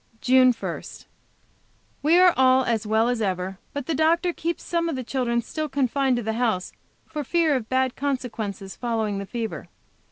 JUNE 1. We are all as well as ever, but the doctor keeps some of the children still confined to the house for fear of bad consequences following the fever.